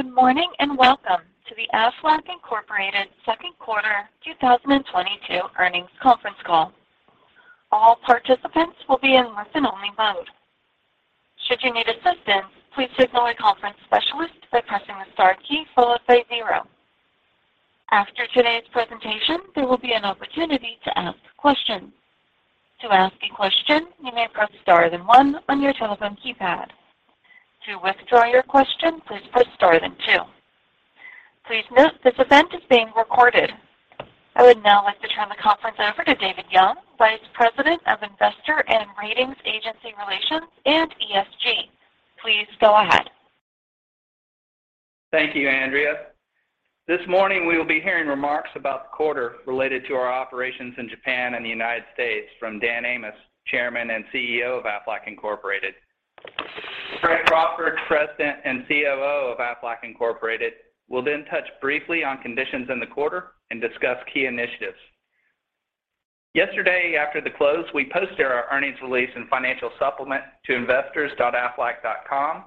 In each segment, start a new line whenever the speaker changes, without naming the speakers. Good morning, and welcome to the Aflac Incorporated second quarter 2022 earnings conference call. All participants will be in listen-only mode. Should you need assistance, please signal a conference specialist by pressing the star key followed by zero. After today's presentation, there will be an opportunity to ask questions. To ask a question, you may press star then one on your telephone keypad. To withdraw your question, please press star then two. Please note this event is being recorded. I would now like to turn the conference over to David Young, Vice President of Investor and Rating Agency Relations and ESG. Please go ahead.
Thank you, Andrea. This morning we will be hearing remarks about the quarter related to our operations in Japan and the United States from Dan Amos, Chairman and CEO of Aflac Incorporated. Fred Crawford, President and COO of Aflac Incorporated, will then touch briefly on conditions in the quarter and discuss key initiatives. Yesterday after the close, we posted our earnings release and financial supplement to investors.aflac.com,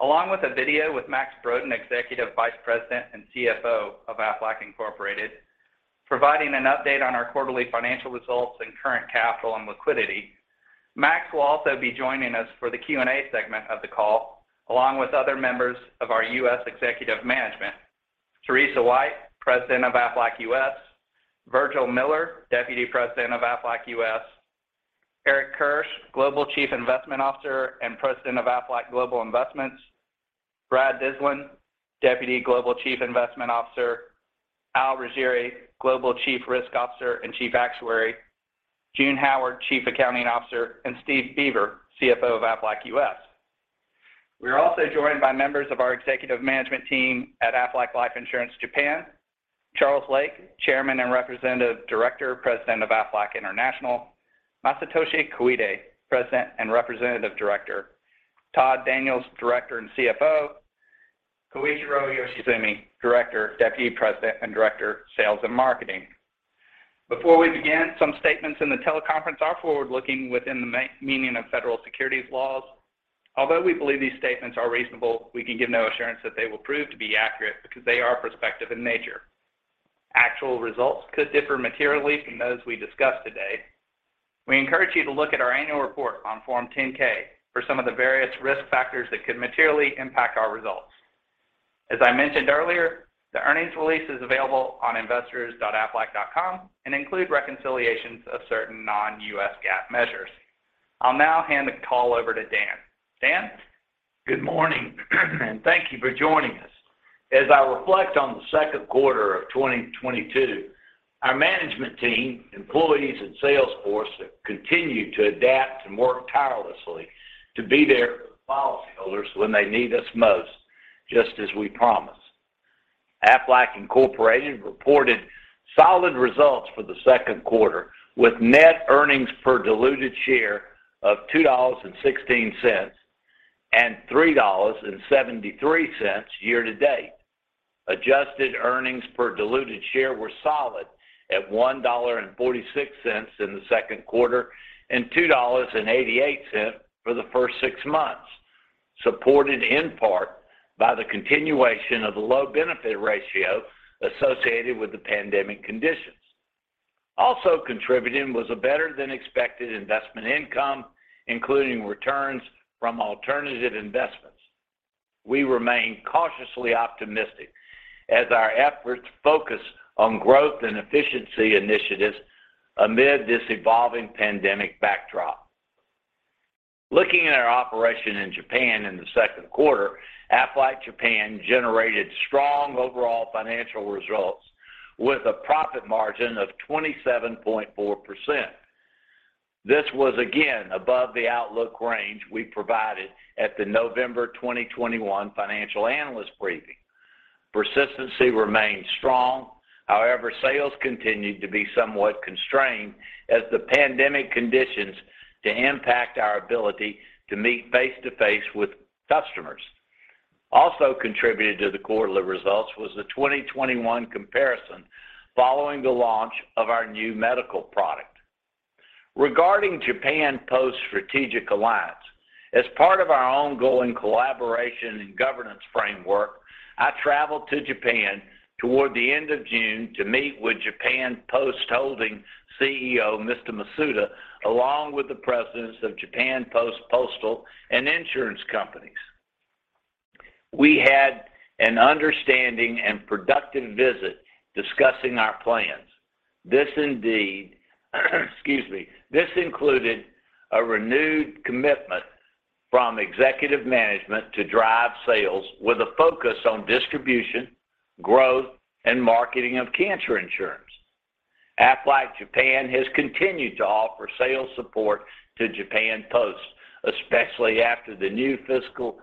along with a video with Max Brodén, Executive Vice President and CFO of Aflac Incorporated, providing an update on our quarterly financial results and current capital and liquidity. Max will also be joining us for the Q&A segment of the call, along with other members of our U.S. executive management. Teresa White, President of Aflac U.S., Virgil Miller, Deputy President of Aflac U.S., Eric Kirsch, Global Chief Investment Officer and President of Aflac Global Investments, Brad Dyslin, Deputy Global Chief Investment Officer, Al Riggieri, Global Chief Risk Officer and Chief Actuary, June Howard, Chief Accounting Officer, and Steve Beaver, CFO of Aflac U.S. We are also joined by members of our executive management team at Aflac Life Insurance Japan, Charles Lake, Chairman and Representative Director, President of Aflac International, Masatoshi Koide, President and Representative Director, Todd Daniels, Director and CFO, Koichiro Yoshizumi, Director, Deputy President and Director, Sales and Marketing. Before we begin, some statements in the teleconference are forward-looking within the meaning of federal securities laws. Although we believe these statements are reasonable, we can give no assurance that they will prove to be accurate because they are prospective in nature. Actual results could differ materially from those we discuss today. We encourage you to look at our annual report on Form 10-K for some of the various risk factors that could materially impact our results. As I mentioned earlier, the earnings release is available on investors.aflac.com and include reconciliations of certain non-U.S. GAAP measures. I'll now hand the call over to Dan. Dan?
Good morning, and thank you for joining us. As I reflect on the second quarter of 2022, our management team, employees and sales force have continued to adapt and work tirelessly to be there for policyholders when they need us most, just as we promised. Aflac Incorporated reported solid results for the second quarter, with net earnings per diluted share of $2.16 and $3.73 year-to-date. Adjusted earnings per diluted share were solid at $1.46 in the second quarter and $2.88 for the first six months, supported in part by the continuation of the low benefit ratio associated with the pandemic conditions. Also contributing was a better than expected investment income, including returns from alternative investments. We remain cautiously optimistic as our efforts focus on growth and efficiency initiatives amid this evolving pandemic backdrop. Looking at our operation in Japan in the second quarter, Aflac Japan generated strong overall financial results with a profit margin of 27.4%. This was again above the outlook range we provided at the November 2021 financial analyst briefing. Persistency remains strong. However, sales continued to be somewhat constrained as the pandemic continues to impact our ability to meet face-to-face with customers. Also contributed to the quarterly results was the 2021 comparison following the launch of our new medical product. Regarding Japan Post Strategic Alliance, as part of our ongoing collaboration and governance framework, I traveled to Japan toward the end of June to meet with Japan Post Holdings CEO, Mr. Masuda, along with the presidents of Japan Post postal and insurance companies. We had an understanding and productive visit discussing our plans. This included a renewed commitment from executive management to drive sales with a focus on distribution, growth and marketing of cancer insurance. Aflac Japan has continued to offer sales support to Japan Post, especially after the new fiscal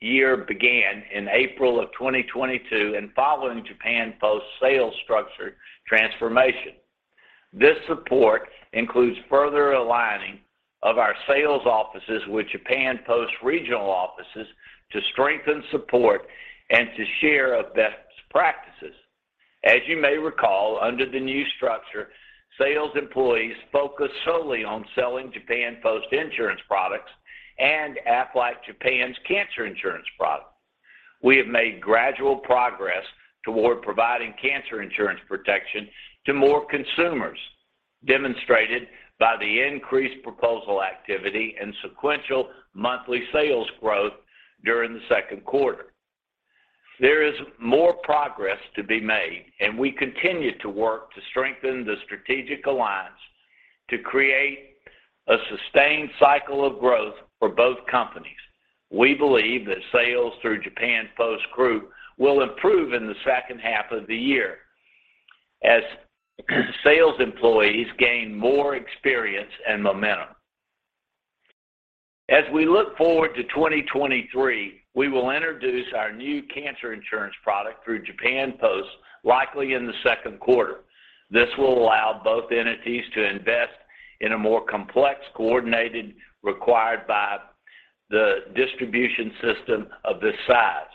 year began in April 2022 and following Japan Post sales structure transformation. This support includes further aligning of our sales offices with Japan Post regional offices to strengthen support and sharing of best practices. As you may recall, under the new structure, sales employees focus solely on selling Japan Post Insurance products and Aflac Japan's cancer insurance product. We have made gradual progress toward providing cancer insurance protection to more consumers, demonstrated by the increased proposal activity and sequential monthly sales growth during the second quarter. There is more progress to be made and we continue to work to strengthen the strategic alliance to create a sustained cycle of growth for both companies. We believe that sales through Japan Post Group will improve in the second half of the year as sales employees gain more experience and momentum. As we look forward to 2023, we will introduce our new cancer insurance product through Japan Post, likely in the second quarter. This will allow both entities to invest in a more complex coordination required by the distribution system of this size.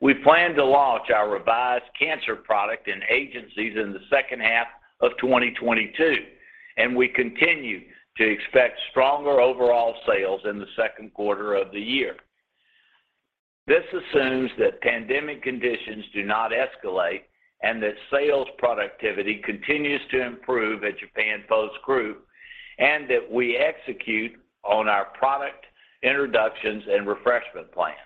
We plan to launch our revised cancer product in agencies in the second half of 2022, and we continue to expect stronger overall sales in the second quarter of the year. This assumes that pandemic conditions do not escalate and that sales productivity continues to improve at Japan Post Group, and that we execute on our product introductions and refreshment plans.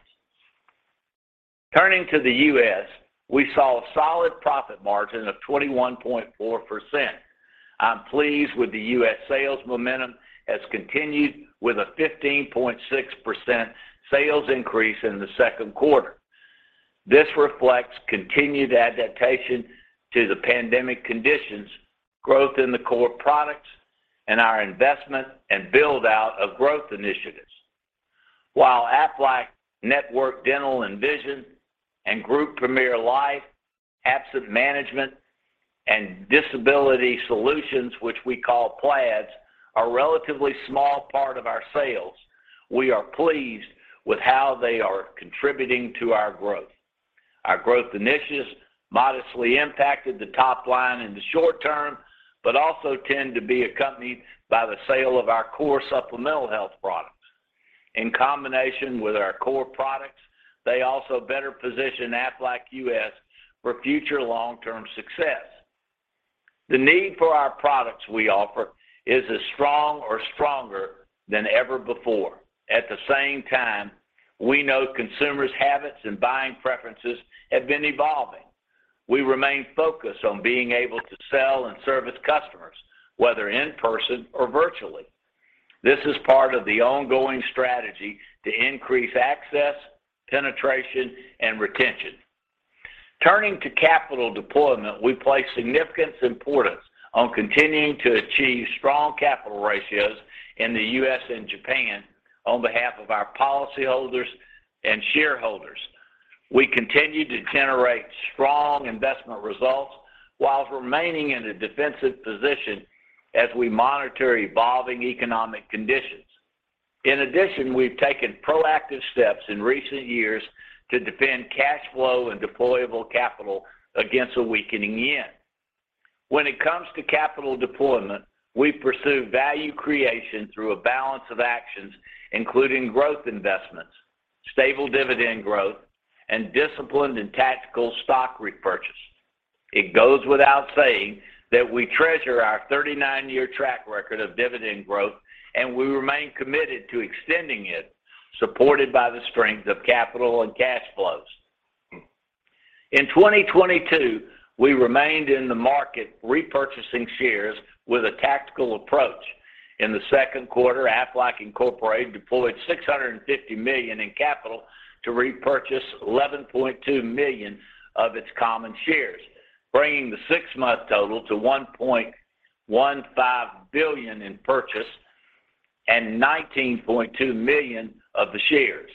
Turning to the U.S., we saw a solid profit margin of 21.4%. I'm pleased with the U.S. sales momentum has continued with a 15.6% sales increase in the second quarter. This reflects continued adaptation to the pandemic conditions, growth in the core products, and our investment and build-out of growth initiatives. While Aflac Network Dental and Vision and Group Premier Life, Absence Management, and Disability Solutions, which we call PLADS, are a relatively small part of our sales, we are pleased with how they are contributing to our growth. Our growth initiatives modestly impacted the top line in the short term, but also tend to be accompanied by the sale of our core supplemental health products. In combination with our core products, they also better position Aflac U.S. for future long-term success. The need for our products we offer is as strong or stronger than ever before. At the same time, we know consumers' habits and buying preferences have been evolving. We remain focused on being able to sell and service customers, whether in person or virtually. This is part of the ongoing strategy to increase access, penetration, and retention. Turning to capital deployment, we place significant importance on continuing to achieve strong capital ratios in the U.S. and Japan on behalf of our policyholders and shareholders. We continue to generate strong investment results while remaining in a defensive position as we monitor evolving economic conditions. In addition, we've taken proactive steps in recent years to defend cash flow and deployable capital against a weakening yen. When it comes to capital deployment, we pursue value creation through a balance of actions, including growth investments, stable dividend growth, and disciplined and tactical stock repurchase. It goes without saying that we treasure our 39-year track record of dividend growth, and we remain committed to extending it, supported by the strength of capital and cash flows. In 2022, we remained in the market repurchasing shares with a tactical approach. In the second quarter, Aflac Incorporated deployed $650 million in capital to repurchase 11.2 million of its common shares, bringing the six-month total to $1.15 billion in purchases and 19.2 million of the shares.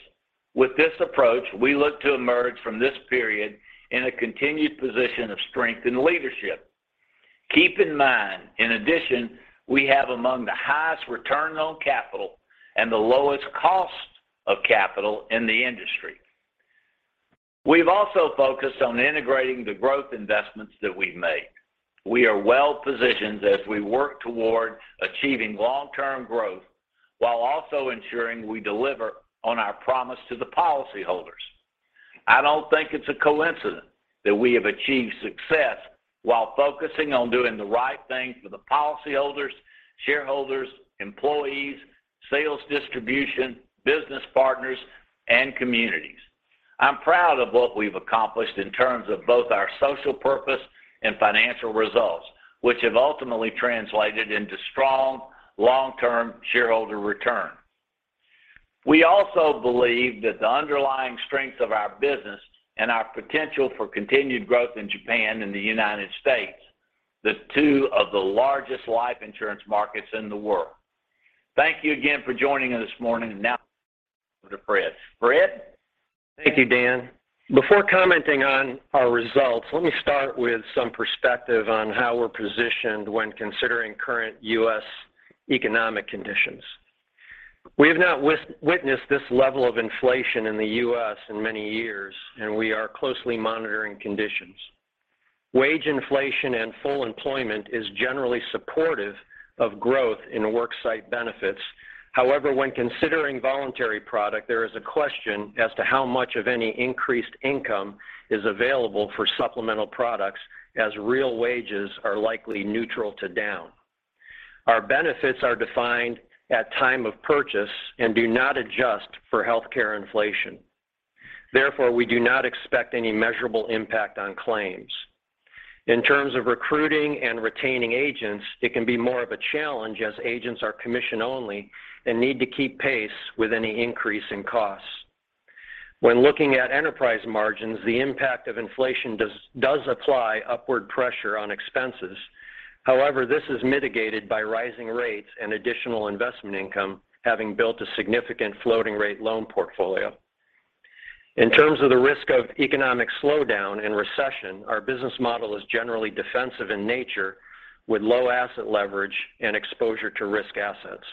With this approach, we look to emerge from this period in a continued position of strength and leadership. Keep in mind, in addition, we have among the highest return on capital and the lowest cost of capital in the industry. We've also focused on integrating the growth investments that we've made. We are well-positioned as we work toward achieving long-term growth while also ensuring we deliver on our promise to the policyholders. I don't think it's a coincidence that we have achieved success while focusing on doing the right thing for the policyholders, shareholders, employees, sales distribution, business partners, and communities. I'm proud of what we've accomplished in terms of both our social purpose and financial results, which have ultimately translated into strong long-term shareholder return. We also believe that the underlying strength of our business and our potential for continued growth in Japan and the United States, two of the largest life insurance markets in the world. Thank you again for joining us this morning. Now to Fred. Fred?
Thank you, Dan. Before commenting on our results, let me start with some perspective on how we're positioned when considering current U.S. economic conditions. We have not witnessed this level of inflation in the U.S. in many years, and we are closely monitoring conditions. Wage inflation and full employment is generally supportive of growth in worksite benefits. However, when considering voluntary product, there is a question as to how much of any increased income is available for supplemental products as real wages are likely neutral to down. Our benefits are defined at time of purchase and do not adjust for healthcare inflation. Therefore, we do not expect any measurable impact on claims. In terms of recruiting and retaining agents, it can be more of a challenge as agents are commission only and need to keep pace with any increase in costs. When looking at enterprise margins, the impact of inflation does apply upward pressure on expenses. However, this is mitigated by rising rates and additional investment income having built a significant floating rate loan portfolio. In terms of the risk of economic slowdown and recession, our business model is generally defensive in nature with low asset leverage and exposure to risk assets.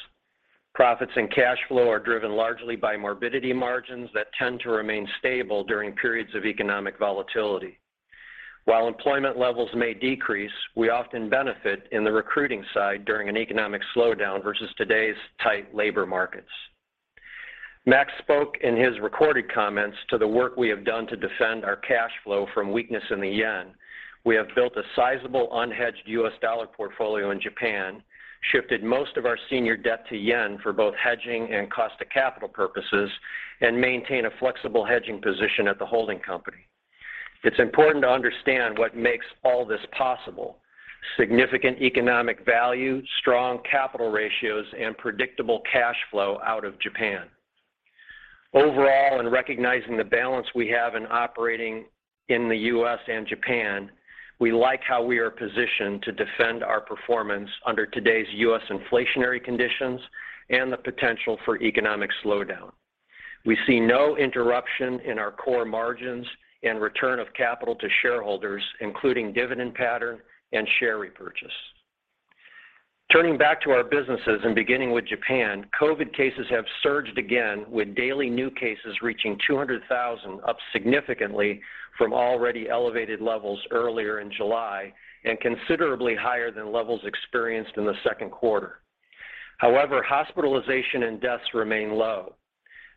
Profits and cash flow are driven largely by morbidity margins that tend to remain stable during periods of economic volatility. While employment levels may decrease, we often benefit in the recruiting side during an economic slowdown versus today's tight labor markets. Max spoke in his recorded comments to the work we have done to defend our cash flow from weakness in the yen. We have built a sizable unhedged U.S. dollar portfolio in Japan, shifted most of our senior debt to yen for both hedging and cost of capital purposes, and maintain a flexible hedging position at the holding company. It's important to understand what makes all this possible. Significant economic value, strong capital ratios, and predictable cash flow out of Japan. Overall, in recognizing the balance we have in operating in the U.S. and Japan, we like how we are positioned to defend our performance under today's U.S. inflationary conditions and the potential for economic slowdown. We see no interruption in our core margins and return of capital to shareholders, including dividend pattern and share repurchase. Turning back to our businesses and beginning with Japan, COVID cases have surged again with daily new cases reaching 200,000, up significantly from already elevated levels earlier in July and considerably higher than levels experienced in the second quarter. However, hospitalization and deaths remain low.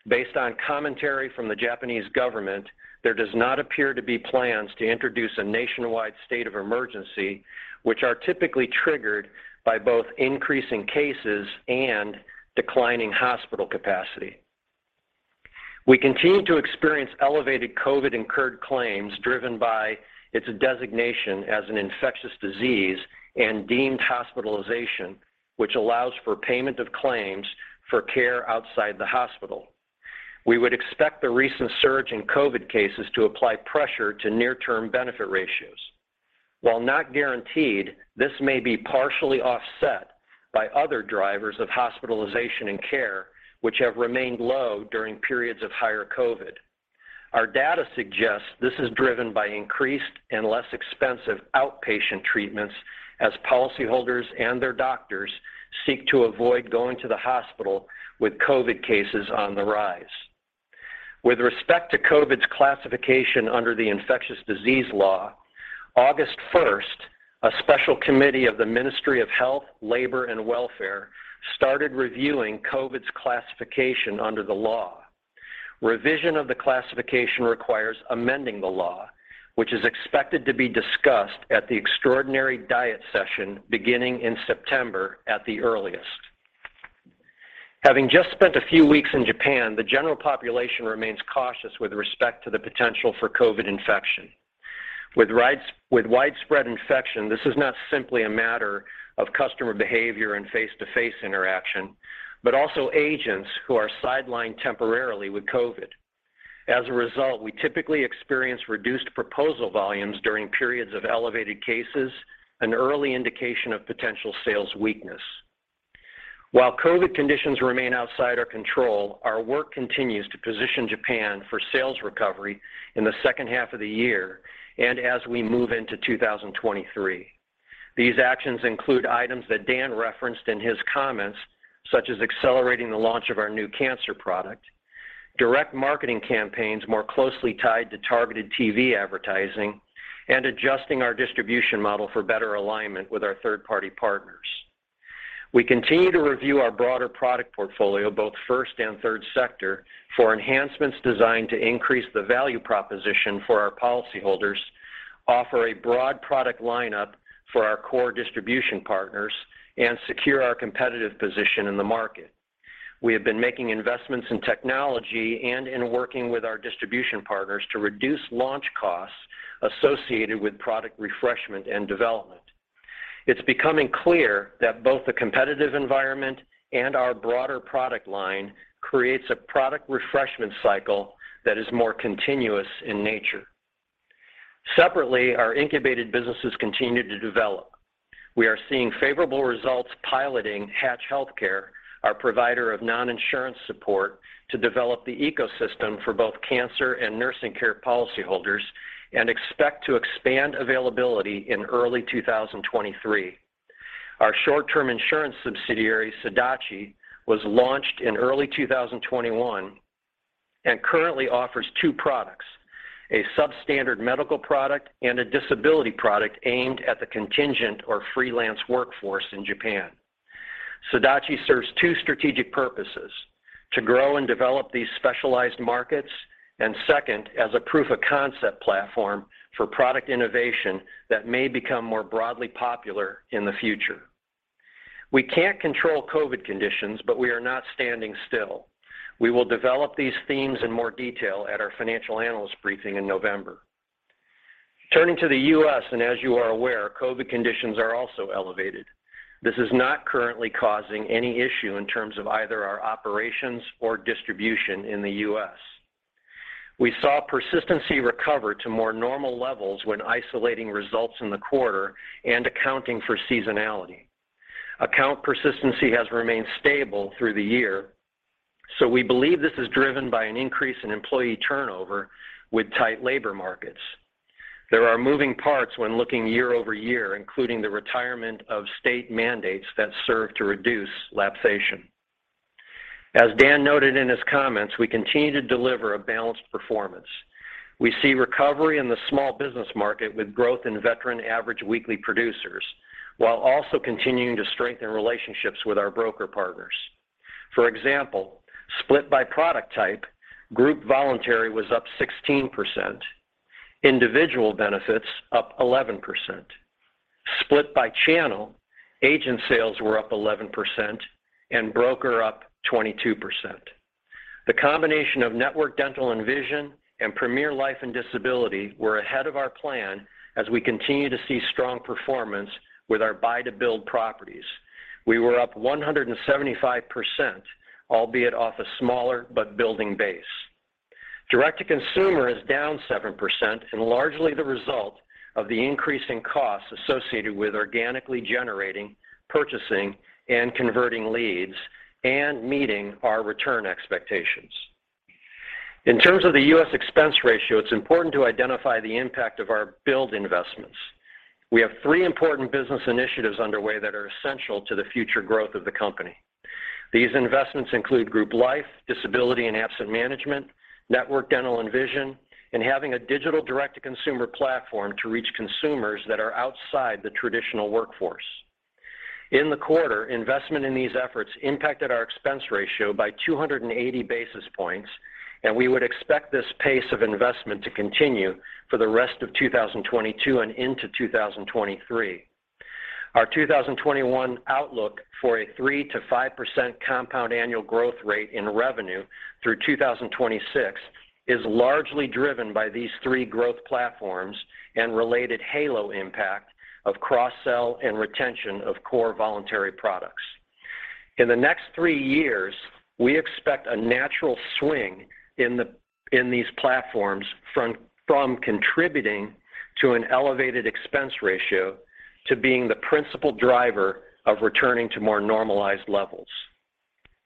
Based on commentary from the Japanese government, there does not appear to be plans to introduce a nationwide state of emergency, which are typically triggered by both increasing cases and declining hospital capacity. We continue to experience elevated COVID-incurred claims driven by its designation as an infectious disease and deemed hospitalization, which allows for payment of claims for care outside the hospital. We would expect the recent surge in COVID cases to apply pressure to near-term benefit ratios. While not guaranteed, this may be partially offset by other drivers of hospitalization and care, which have remained low during periods of higher COVID. Our data suggests this is driven by increased and less expensive outpatient treatments as policyholders and their doctors seek to avoid going to the hospital with COVID cases on the rise. With respect to COVID's classification under the Infectious Disease Law, August 1st, a special committee of the Ministry of Health, Labour and Welfare started reviewing COVID's classification under the law. Revision of the classification requires amending the law, which is expected to be discussed at the extraordinary Diet session beginning in September at the earliest. Having just spent a few weeks in Japan, the general population remains cautious with respect to the potential for COVID infection. With widespread infection, this is not simply a matter of customer behavior and face-to-face interaction, but also agents who are sidelined temporarily with COVID. As a result, we typically experience reduced proposal volumes during periods of elevated cases, an early indication of potential sales weakness. While COVID conditions remain outside our control, our work continues to position Japan for sales recovery in the second half of the year and as we move into 2023. These actions include items that Dan referenced in his comments, such as accelerating the launch of our new cancer product, direct marketing campaigns more closely tied to targeted TV advertising, and adjusting our distribution model for better alignment with our third-party partners. We continue to review our broader product portfolio, both first and third sector, for enhancements designed to increase the value proposition for our policyholders, offer a broad product lineup for our core distribution partners, and secure our competitive position in the market. We have been making investments in technology and in working with our distribution partners to reduce launch costs associated with product refreshment and development. It's becoming clear that both the competitive environment and our broader product line creates a product refreshment cycle that is more continuous in nature. Separately, our incubated businesses continue to develop. We are seeing favorable results piloting Hatch Healthcare, our provider of non-insurance support, to develop the ecosystem for both cancer and nursing care policyholders. Expect to expand availability in early 2023. Our short-term insurance subsidiary, SUDACHI, was launched in early 2021 and currently offers two products, a substandard medical product and a disability product aimed at the contingent or freelance workforce in Japan. SUDACHI serves two strategic purposes, to grow and develop these specialized markets, and second, as a proof of concept platform for product innovation that may become more broadly popular in the future. We can't control COVID conditions, but we are not standing still. We will develop these themes in more detail at our financial analyst briefing in November. Turning to the U.S., and as you are aware, COVID conditions are also elevated. This is not currently causing any issue in terms of either our operations or distribution in the U.S. We saw persistency recover to more normal levels when isolating results in the quarter and accounting for seasonality. Account persistency has remained stable through the year, so we believe this is driven by an increase in employee turnover with tight labor markets. There are moving parts when looking year-over-year, including the retirement of state mandates that serve to reduce lapsation. As Dan noted in his comments, we continue to deliver a balanced performance. We see recovery in the small business market with growth in veteran average weekly producers, while also continuing to strengthen relationships with our broker partners. For example, split by product type, group voluntary was up 16%, individual benefits up 11%. Split by channel, agent sales were up 11% and broker up 22%. The combination of Network Dental and Vision and Premier Life and Disability were ahead of our plan as we continue to see strong performance with our buy-to-build properties. We were up 175%, albeit off a smaller but building base. Direct-to-consumer is down 7% and largely the result of the increase in costs associated with organically generating, purchasing, and converting leads, and meeting our return expectations. In terms of the U.S. expense ratio, it's important to identify the impact of our build investments. We have three important business initiatives underway that are essential to the future growth of the company. These investments include group Life, Disability, and Absence Management, Network Dental and Vision, and having a digital direct-to-consumer platform to reach consumers that are outside the traditional workforce. In the quarter, investment in these efforts impacted our expense ratio by 280 basis points, and we would expect this pace of investment to continue for the rest of 2022 and into 2023. Our 2021 outlook for a 3%-5% compound annual growth rate in revenue through 2026 is largely driven by these three growth platforms and related halo impact of cross-sell and retention of core voluntary products. In the next three years, we expect a natural swing in these platforms from contributing to an elevated expense ratio to being the principal driver of returning to more normalized levels.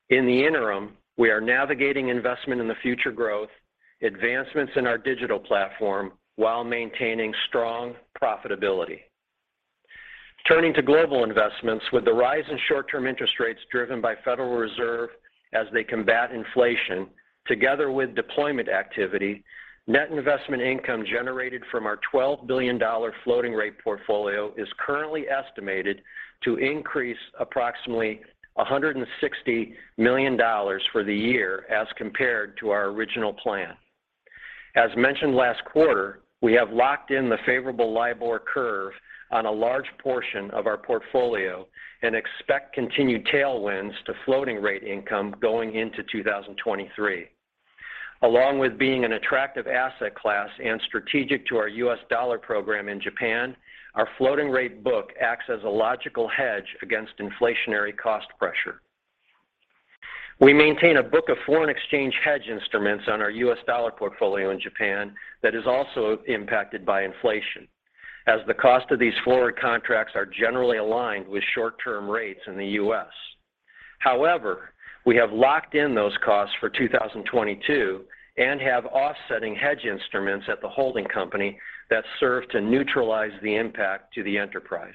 In the interim, we are navigating investment in the future growth, advancements in our digital platform while maintaining strong profitability. Turning to global investments, with the rise in short-term interest rates driven by Federal Reserve as they combat inflation together with deployment activity, net investment income generated from our $12 billion floating rate portfolio is currently estimated to increase approximately $160 million for the year as compared to our original plan. As mentioned last quarter, we have locked in the favorable LIBOR curve on a large portion of our portfolio and expect continued tailwinds to floating rate income going into 2023. Along with being an attractive asset class and strategic to our U.S. dollar program in Japan, our floating rate book acts as a logical hedge against inflationary cost pressure. We maintain a book of foreign exchange hedge instruments on our U.S. dollar portfolio in Japan that is also impacted by inflation, as the cost of these forward contracts are generally aligned with short-term rates in the U.S. However, we have locked in those costs for 2022 and have offsetting hedge instruments at the holding company that serve to neutralize the impact to the enterprise.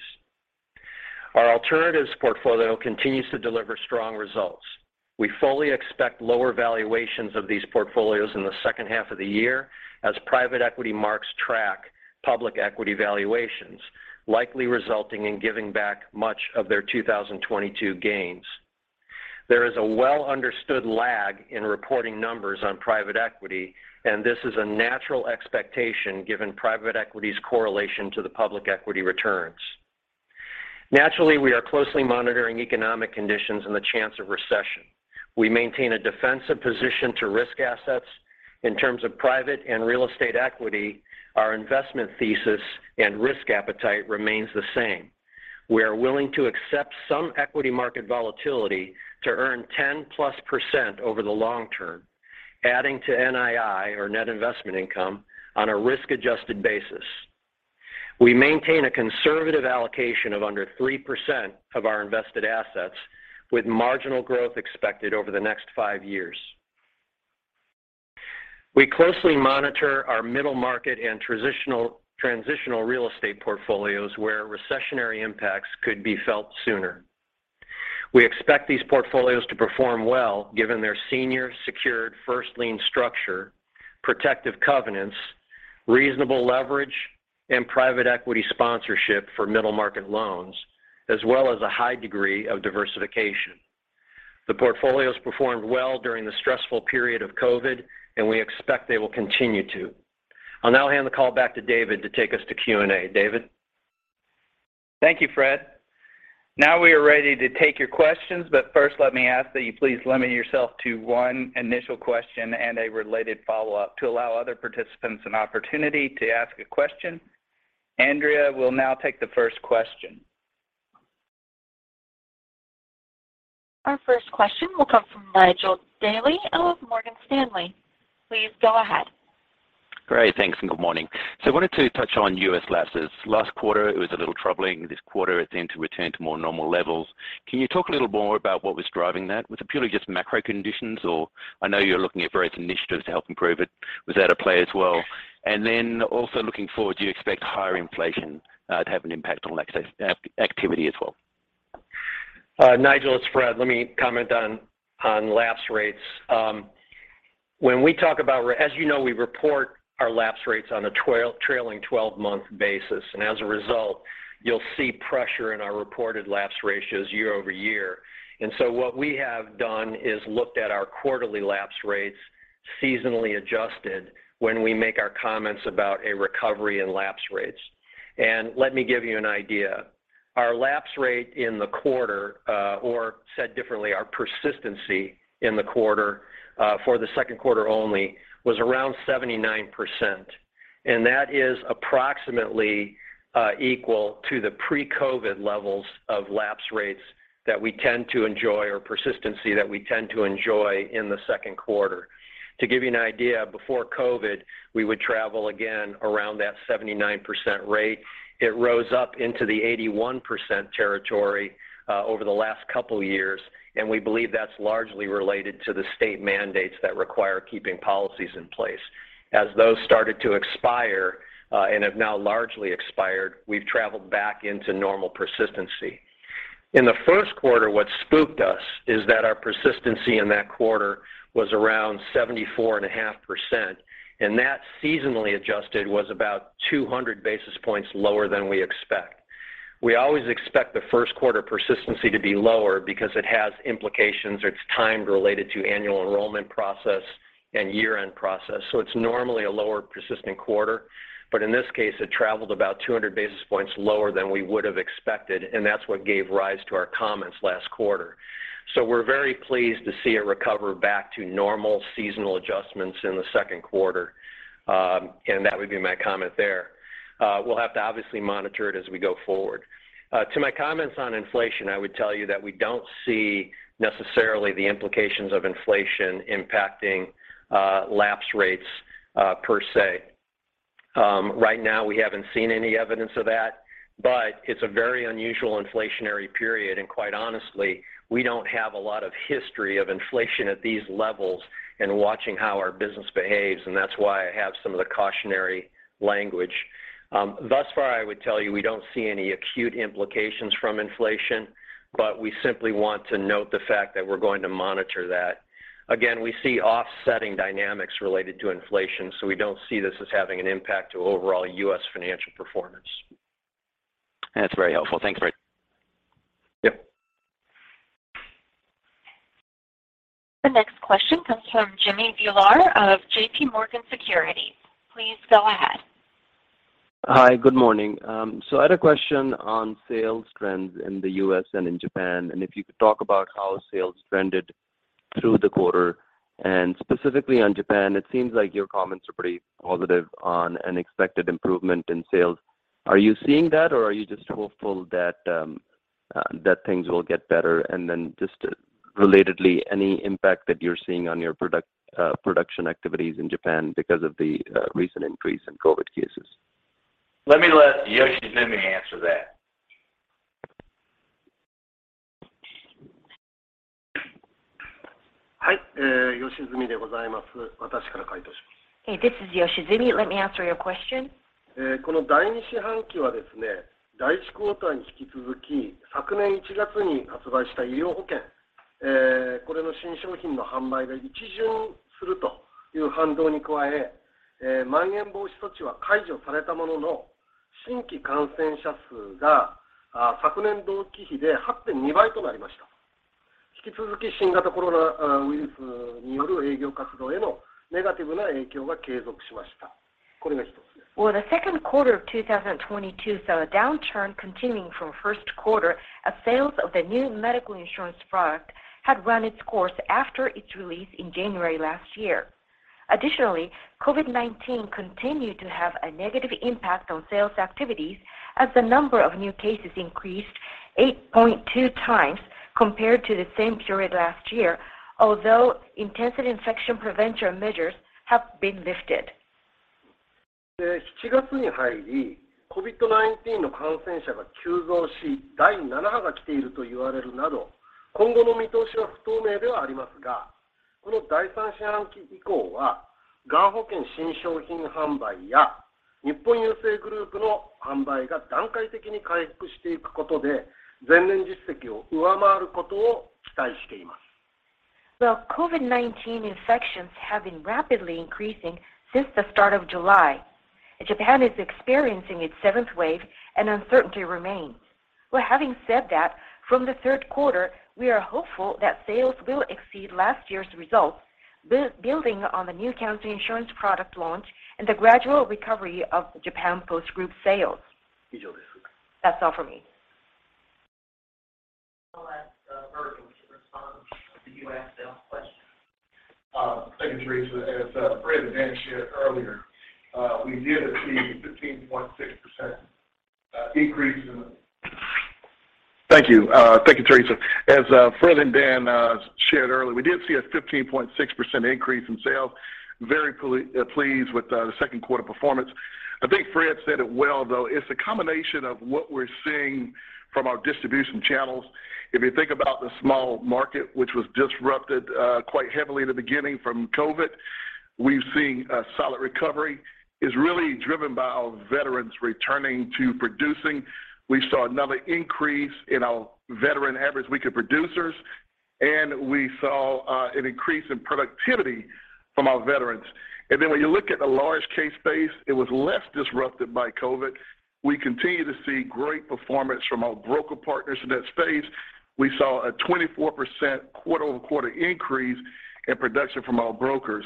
Our alternatives portfolio continues to deliver strong results. We fully expect lower valuations of these portfolios in the second half of the year as private equity marks track public equity valuations, likely resulting in giving back much of their 2022 gains. There is a well-understood lag in reporting numbers on private equity, and this is a natural expectation given private equity's correlation to the public equity returns. Naturally, we are closely monitoring economic conditions and the chance of recession. We maintain a defensive position to risk assets. In terms of private and real estate equity, our investment thesis and risk appetite remains the same. We are willing to accept some equity market volatility to earn 10%+ over the long term, adding to NII, or net investment income, on a risk-adjusted basis. We maintain a conservative allocation of under 3% of our invested assets, with marginal growth expected over the next five years. We closely monitor our middle market and transitional real estate portfolios, where recessionary impacts could be felt sooner. We expect these portfolios to perform well given their senior secured first lien structure, protective covenants, reasonable leverage, and private equity sponsorship for middle market loans, as well as a high degree of diversification. The portfolios performed well during the stressful period of COVID, and we expect they will continue to. I'll now hand the call back to David to take us to Q&A. David?
Thank you, Fred. Now we are ready to take your questions, but first let me ask that you please limit yourself to one initial question and a related follow-up to allow other participants an opportunity to ask a question. Andrea will now take the first question.
Our first question will come from Nigel Dally of Morgan Stanley. Please go ahead.
Great. Thanks, and good morning. I wanted to touch on U.S. lapses. Last quarter, it was a little troubling. This quarter it seemed to return to more normal levels. Can you talk a little more about what was driving that? Was it purely just macro conditions, or I know you're looking at various initiatives to help improve it. Was that a play as well? And then also looking forward, do you expect higher inflation to have an impact on lapse activity as well?
Nigel, it's Fred. Let me comment on lapse rates. When we talk about as you know, we report our lapse rates on a trailing 12-month basis, and as a result, you'll see pressure in our reported lapse ratios year-over-year. What we have done is looked at our quarterly lapse rates seasonally adjusted when we make our comments about a recovery in lapse rates. Let me give you an idea. Our lapse rate in the quarter, or said differently, our persistency in the quarter, for the second quarter only was around 79%, and that is approximately equal to the pre-COVID levels of lapse rates that we tend to enjoy or persistency that we tend to enjoy in the second quarter. To give you an idea, before COVID, we would travel again around that 79% rate. It rose up into the 81% territory over the last couple years, and we believe that's largely related to the state mandates that require keeping policies in place. As those started to expire and have now largely expired, we've traveled back into normal persistency. In the first quarter, what spooked us is that our persistency in that quarter was around 74.5%, and that seasonally adjusted was about 200 basis points lower than we expect. We always expect the first quarter persistency to be lower because it has implications or it's time related to annual enrollment process and year-end process. It's normally a lower persistency quarter. In this case, it traveled about 200 basis points lower than we would've expected, and that's what gave rise to our comments last quarter. We're very pleased to see it recover back to normal seasonal adjustments in the second quarter, and that would be my comment there. We'll have to obviously monitor it as we go forward. To my comments on inflation, I would tell you that we don't see necessarily the implications of inflation impacting lapse rates per se. Right now we haven't seen any evidence of that, but it's a very unusual inflationary period, and quite honestly, we don't have a lot of history of inflation at these levels and watching how our business behaves, and that's why I have some of the cautionary language. Thus far, I would tell you, we don't see any acute implications from inflation, but we simply want to note the fact that we're going to monitor that. Again, we see offsetting dynamics related to inflation, so we don't see this as having an impact to overall U.S. financial performance.
That's very helpful. Thanks Fred.
Yep.
The next question comes from Jimmy Bhullar of JPMorgan Securities. Please go ahead.
Hi. Good morning. I had a question on sales trends in the U.S. and in Japan, if you could talk about how sales trended through the quarter. Specifically on Japan, it seems like your comments are pretty positive on an expected improvement in sales. Are you seeing that or are you just hopeful that things will get better? Just relatedly, any impact that you're seeing on your production activities in Japan because of the recent increase in COVID cases?
Let me let Yoshizumi answer that.
Hi. Yoshizumi. Hey, this is Koichiro Yoshizumi. Let me answer your question. Well, the second quarter of 2022 saw a downturn continuing from first quarter as sales of the new medical insurance product had run its course after its release in January last year. Additionally, COVID-19 continued to have a negative impact on sales activities. As the number of new cases increased 8.2x compared to the same period last year, although intensive infection prevention measures have been lifted. Well, COVID-19 infections have been rapidly increasing since the start of July. Japan is experiencing its seventh wave and uncertainty remains. Well, having said that, from the third quarter, we are hopeful that sales will exceed last year's results, building on the new cancer insurance product launch and the gradual recovery of Japan Post Group sales. That's all for me.
I'll ask Virgil to respond to the U.S. sales question.
Thank you, Fred. As Fred and Dan shared earlier, we did see a 15.6% increase in sales. Very pleased with the second quarter performance. I think Fred said it well, though. It's a combination of what we're seeing from our distribution channels. If you think about the small market, which was disrupted quite heavily in the beginning from COVID, we've seen a solid recovery. It's really driven by our veterans returning to producing. We saw another increase in our veteran average weekly producers, and we saw an increase in productivity from our veterans. When you look at the large case base, it was less disrupted by COVID. We continue to see great performance from our broker partners in that space. We saw a 24% quarter-over-quarter increase in production from our brokers.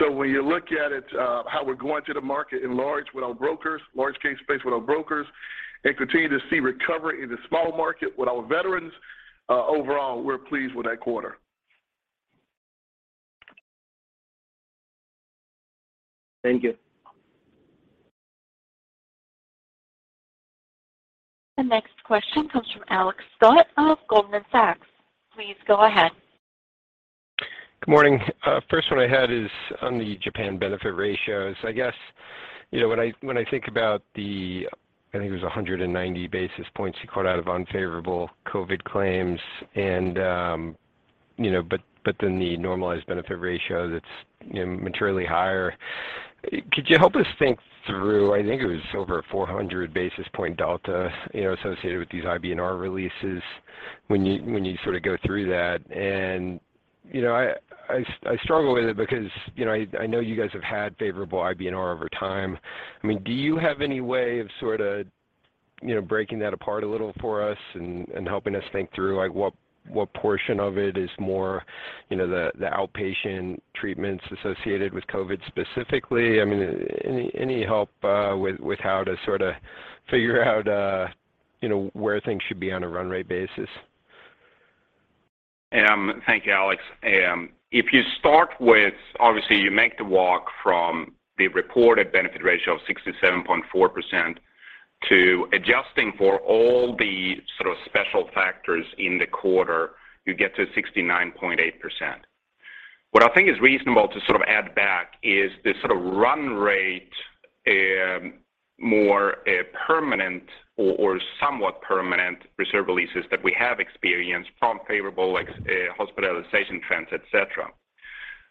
When you look at it, how we're going to the market in large with our brokers, large case base with our brokers, and continue to see recovery in the small market with our veterans, overall, we're pleased with that quarter.
Thank you.
The next question comes from Alex Scott of Goldman Sachs. Please go ahead.
Good morning. First one I had is on the Japan benefit ratios. I guess, you know, when I think about the, I think it was 190 basis points you called out of unfavorable COVID claims and, you know, but then the normalized benefit ratio that's, you know, materially higher. Could you help us think through, I think it was over a 400 basis point delta, you know, associated with these IBNR releases when you sort of go through that? You know, I struggle with it because, you know, I know you guys have had favorable IBNR over time. I mean, do you have any way of sorta, you know, breaking that apart a little for us and helping us think through, like, what portion of it is more, you know, the outpatient treatments associated with COVID specifically? I mean, any help with how to sorta figure out, you know, where things should be on a run rate basis?
Thank you, Alex. If you start with, obviously, you make the walk from the reported benefit ratio of 67.4% to adjusting for all the sort of special factors in the quarter, you get to 69.8%. What I think is reasonable to sort of add back is the sort of run rate, more, permanent or somewhat permanent reserve releases that we have experienced from favorable hospitalization trends, et cetera.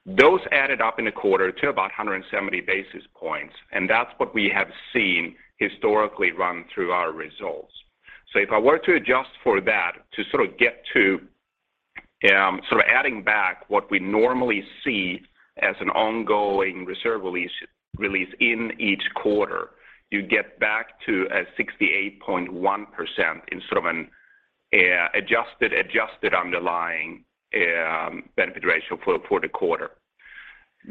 Those added up in the quarter to about 170 basis points, and that's what we have seen historically run through our results. If I were to adjust for that to sort of get to sort of adding back what we normally see as an ongoing reserve release in each quarter, you get back to a 68.1% in sort of an adjusted underlying benefit ratio for the quarter.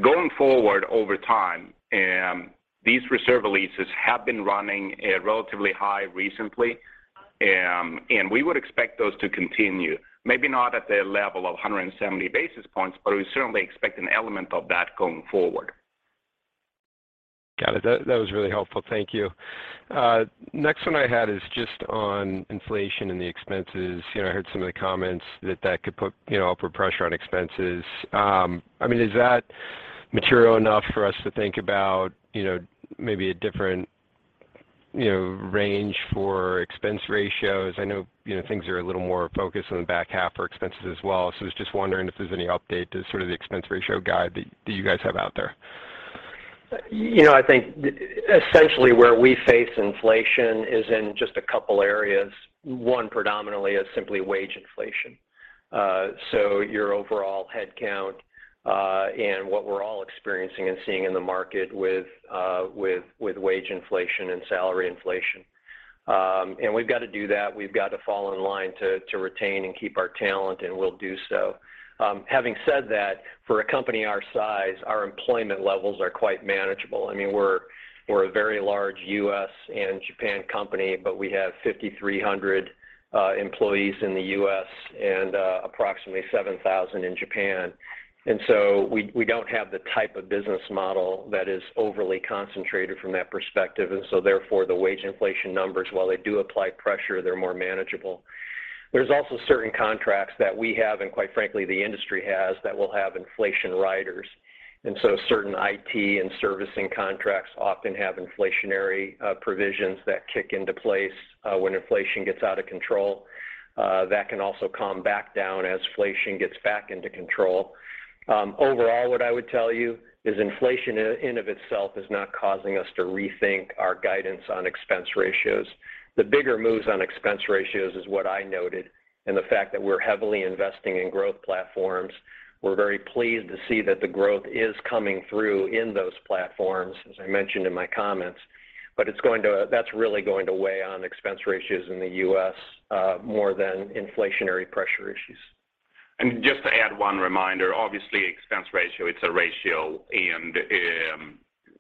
Going forward over time, these reserve releases have been running relatively high recently, and we would expect those to continue, maybe not at the level of 170 basis points, but we certainly expect an element of that going forward.
Got it. That was really helpful. Thank you. Next one I had is just on inflation and the expenses. You know, I heard some of the comments that could put, you know, upward pressure on expenses. I mean, is that material enough for us to think about, you know, maybe a different, you know, range for expense ratios? I know, you know, things are a little more focused on the back half for expenses as well. I was just wondering if there's any update to sort of the expense ratio guide that you guys have out there.
You know, I think essentially where we face inflation is in just a couple areas. One predominantly is simply wage inflation. So your overall headcount, and what we're all experiencing and seeing in the market with wage inflation and salary inflation. And we've got to do that. We've got to fall in line to retain and keep our talent, and we'll do so. Having said that, for a company our size, our employment levels are quite manageable. I mean, we're a very large U.S. and Japan company, but we have 5,300 employees in the U.S. and approximately 7,000 in Japan. We don't have the type of business model that is overly concentrated from that perspective. Therefore, the wage inflation numbers, while they do apply pressure, they're more manageable. There's also certain contracts that we have, and quite frankly, the industry has, that will have inflation riders. Certain IT and servicing contracts often have inflationary provisions that kick into place when inflation gets out of control. That can also come back down as inflation gets back into control. Overall, what I would tell you is inflation in and of itself is not causing us to rethink our guidance on expense ratios. The bigger moves on expense ratios is what I noted, and the fact that we're heavily investing in growth platforms. We're very pleased to see that the growth is coming through in those platforms, as I mentioned in my comments. That's really going to weigh on expense ratios in the U.S., more than inflationary pressure issues.
Just to add one reminder, obviously expense ratio, it's a ratio, and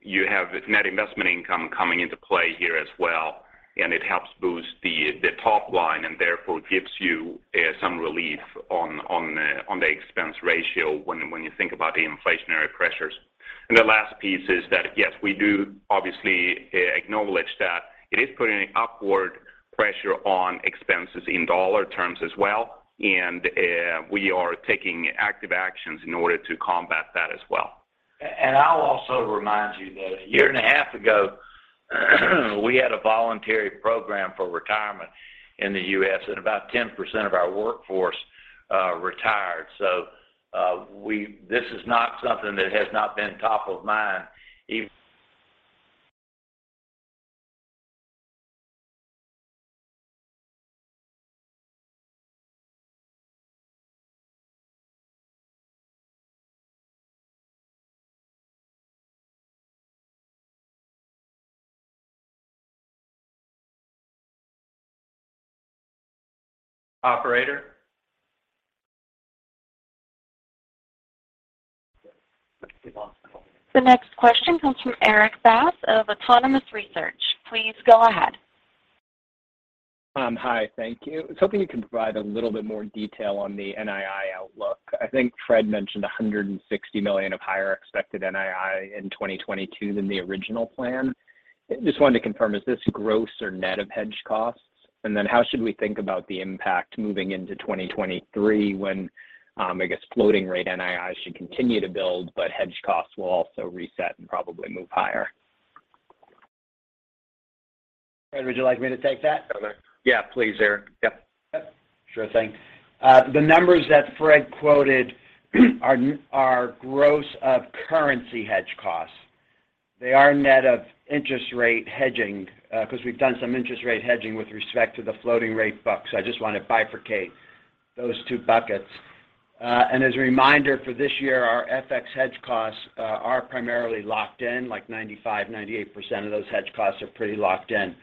you have net investment income coming into play here as well, and it helps boost the top line and therefore gives you some relief on the expense ratio when you think about the inflationary pressures. The last piece is that, yes, we do obviously acknowledge that it is putting upward pressure on expenses in dollar terms as well, and we are taking active actions in order to combat that as well.
I'll also remind you that a year and a half ago, we had a voluntary program for retirement in the U.S., and about 10% of our workforce retired. This is not something that has not been top of mind.
Operator?
The next question comes from Erik Bass of Autonomous Research. Please go ahead.
Hi. Thank you. I was hoping you could provide a little bit more detail on the NII outlook. I think Fred mentioned $160 million of higher expected NII in 2022 than the original plan. Just wanted to confirm, is this gross or net of hedge costs? And then how should we think about the impact moving into 2023 when, I guess floating rate NII should continue to build, but hedge costs will also reset and probably move higher?
Fred, would you like me to take that?
Okay.
Yeah, please, Eric. Yep. Yep. Sure thing. The numbers that Fred quoted are gross of currency hedge costs. They are net of interest rate hedging, because we've done some interest rate hedging with respect to the floating rate books. I just want to bifurcate those two buckets. As a reminder for this year, our FX hedge costs are primarily locked in, like 95%-98% of those hedge costs are pretty locked in.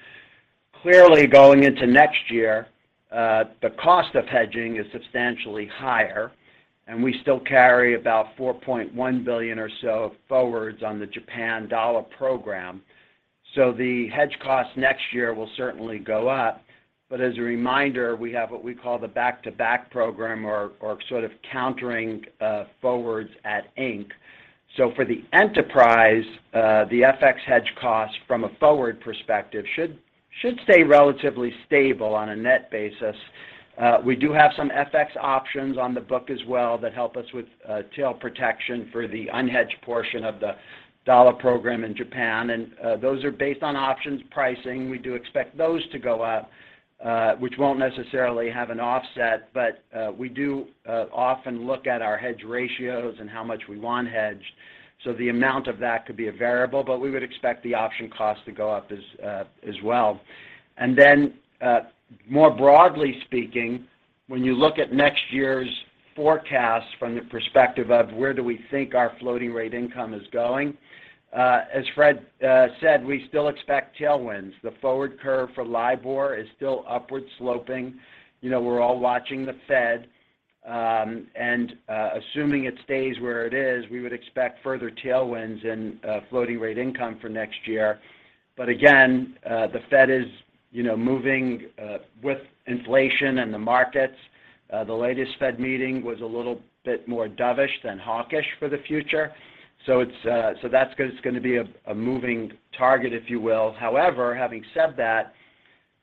Clearly, going into next year, the cost of hedging is substantially higher, and we still carry about $4.1 billion or so of forwards on the yen-dollar program. The hedge costs next year will certainly go up. As a reminder, we have what we call the back-to-back program or sort of countering forwards in yen. For the enterprise, the FX hedge cost from a forward perspective should stay relatively stable on a net basis. We do have some FX options on the book as well that help us with tail protection for the unhedged portion of the dollar program in Japan. Those are based on options pricing. We do expect those to go up, which won't necessarily have an offset. We do often look at our hedge ratios and how much we want hedged. The amount of that could be a variable, but we would expect the option cost to go up as well. More broadly speaking, when you look at next year's forecast from the perspective of where do we think our floating rate income is going, as Fred said, we still expect tailwinds. The forward curve for LIBOR is still upward sloping. You know, we're all watching the Fed and assuming it stays where it is, we would expect further tailwinds in floating rate income for next year. Again, the Fed is, you know, moving with inflation and the markets. The latest Fed meeting was a little bit more dovish than hawkish for the future. It's so that's 'cause it's gonna be a moving target, if you will. However, having said that,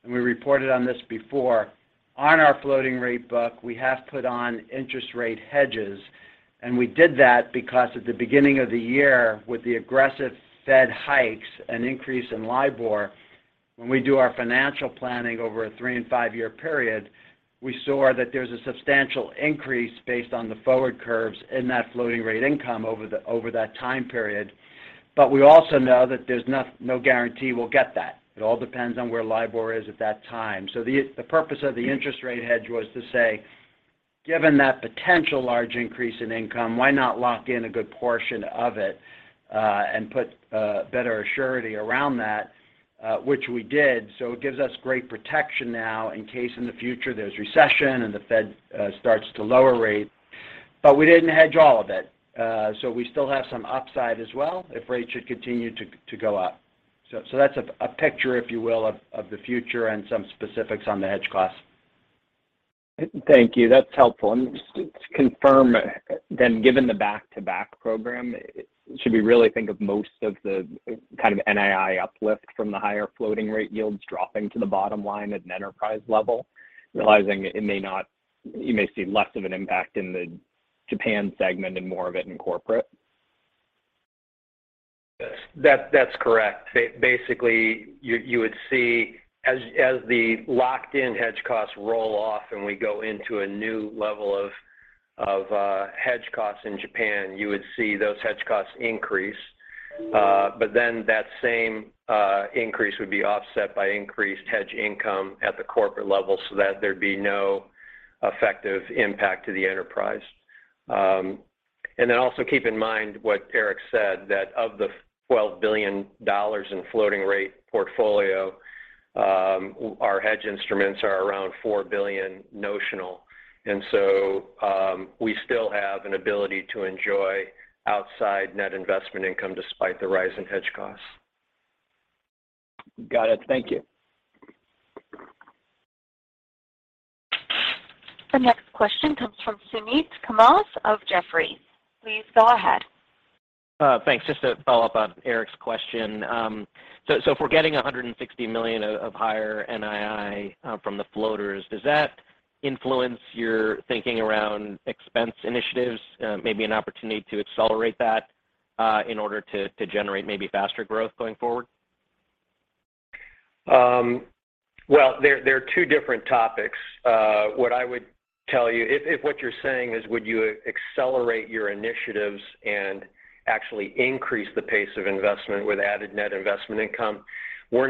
we reported on this before, on our floating rate book, we have put on interest rate hedges. We did that because at the beginning of the year, with the aggressive Fed hikes, an increase in LIBOR, when we do our financial planning over a three and five-year period, we saw that there's a substantial increase based on the forward curves in that floating rate income over that time period. We also know that there's no guarantee we'll get that. It all depends on where LIBOR is at that time. The purpose of the interest rate hedge was to say, given that potential large increase in income, why not lock in a good portion of it and put better surety around that, which we did. It gives us great protection now in case in the future there's recession and the Fed starts to lower rates. We didn't hedge all of it. We still have some upside as well if rates should continue to go up. That's a picture, if you will, of the future and some specifics on the hedge costs.
Thank you. That's helpful. Just to confirm then, given the back-to-back program, should we really think of most of the kind of NII uplift from the higher floating rate yields dropping to the bottom line at an enterprise level? Realizing it may not, you may see less of an impact in the- Japan segment and more of it in corporate.
Yes, that's correct. Basically, you would see as the locked-in hedge costs roll off and we go into a new level of hedge costs in Japan, you would see those hedge costs increase. That same increase would be offset by increased hedge income at the corporate level so that there'd be no effective impact to the enterprise. Also keep in mind what Eric said, that of the $12 billion in floating rate portfolio, our hedge instruments are around $4 billion notional. We still have an ability to enjoy outside net investment income despite the rise in hedge costs.
Got it. Thank you.
The next question comes from Suneet Kamath of Jefferies. Please go ahead.
Thanks. Just to follow up on Eric's question. If we're getting $160 million of higher NII from the floaters, does that influence your thinking around expense initiatives, maybe an opportunity to accelerate that, in order to generate maybe faster growth going forward?
Well, they're two different topics. What I would tell you, if what you're saying is would you accelerate your initiatives and actually increase the pace of investment with added net investment income, we're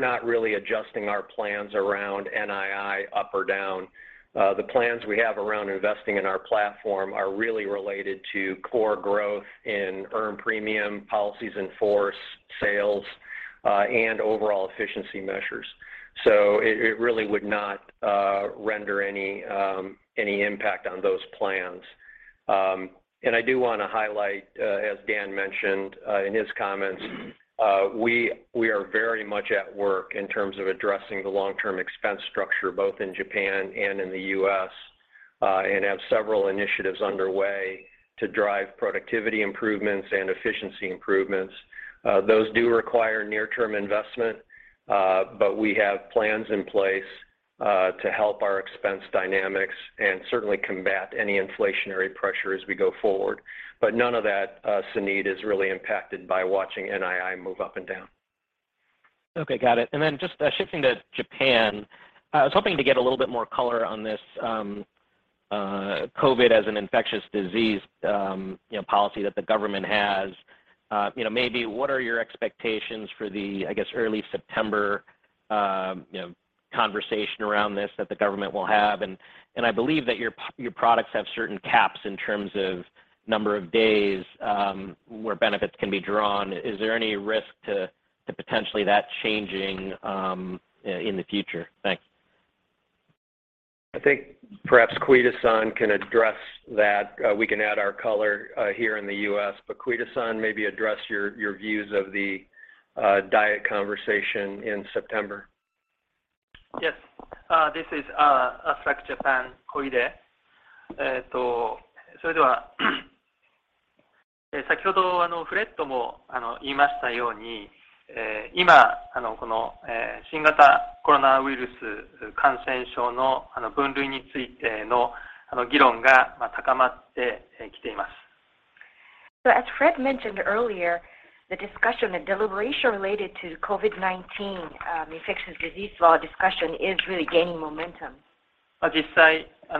not really adjusting our plans around NII up or down. The plans we have around investing in our platform are really related to core growth in earned premium policies in force, sales, and overall efficiency measures. It really would not render any impact on those plans. I do wanna highlight, as Dan mentioned in his comments, we are very much at work in terms of addressing the long-term expense structure, both in Japan and in the U.S., and have several initiatives underway to drive productivity improvements and efficiency improvements. Those do require near-term investment, but we have plans in place to help our expense dynamics and certainly combat any inflationary pressure as we go forward. None of that, Suneet, is really impacted by watching NII move up and down.
Okay. Got it. Just shifting to Japan, I was hoping to get a little bit more color on this, COVID as an infectious disease, you know, policy that the government has. You know, maybe what are your expectations for the, I guess, early September, you know, conversation around this that the government will have? I believe that your products have certain caps in terms of number of days, where benefits can be drawn. Is there any risk to potentially that changing, in the future? Thanks.
I think perhaps Koide-san can address that. We can add our color here in the U.S., but Koide-san maybe address your views of the Diet conversation in September.
Yes, this is Aflac Japan, Masatoshi Koide. As Fred mentioned earlier, the discussion, the deliberation related to COVID-19, infectious disease law discussion is really gaining momentum. In light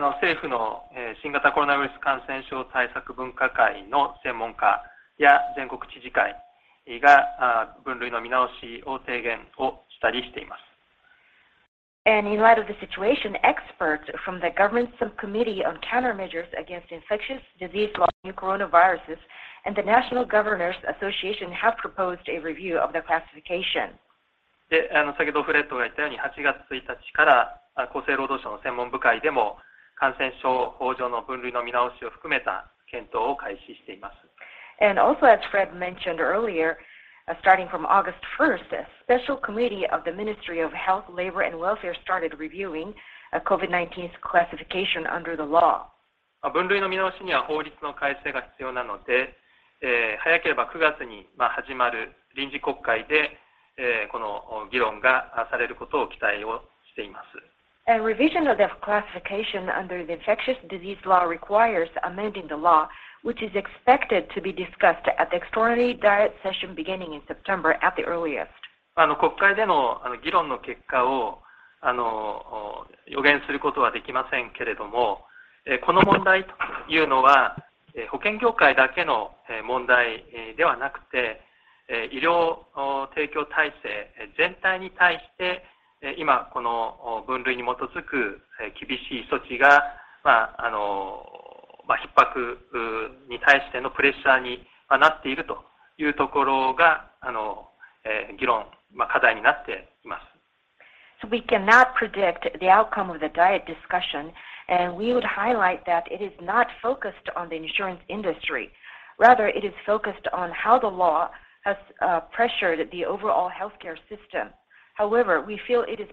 of the situation, experts from the government subcommittee on countermeasures against infectious disease law, new coronaviruses and the National Governors Association have proposed a review of the classification. Also, as Fred mentioned earlier, starting from August first, a special committee of the Ministry of Health, Labor and Welfare started reviewing COVID-19's classification under the law. A revision of the classification under the infectious disease law requires amending the law, which is expected to be discussed at the extraordinary Diet session beginning in September at the earliest. We cannot predict the outcome of the Diet discussion, and we would highlight that it is not focused on the insurance industry. Rather, it is focused on how the law has pressured the overall healthcare system. However, we feel it is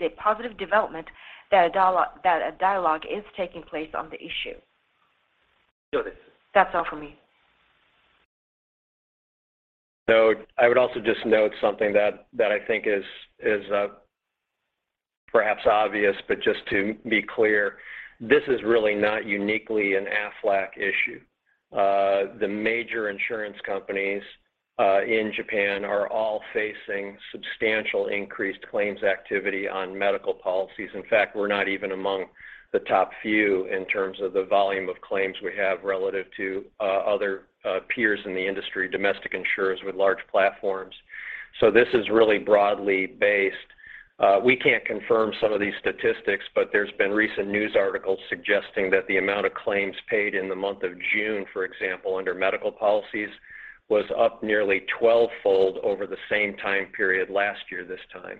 a positive development that a dialogue is taking place on the issue. That's all for me.
I would also just note something that I think is perhaps obvious, but just to be clear, this is really not uniquely an Aflac issue. The major insurance companies in Japan are all facing substantial increased claims activity on medical policies. In fact, we're not even among the top few in terms of the volume of claims we have relative to other peers in the industry, domestic insurers with large platforms. This is really broadly based. We can't confirm some of these statistics, but there's been recent news articles suggesting that the amount of claims paid in the month of June, for example, under medical policies, was up nearly twelvefold over the same time period last year this time.